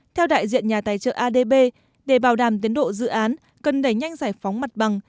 theo đại diện nhà tài trợ adb để bảo đảm tiến độ dự án cần đẩy nhanh giải phóng mặt bằng